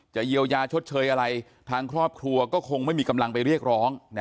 เยียวยาชดเชยอะไรทางครอบครัวก็คงไม่มีกำลังไปเรียกร้อง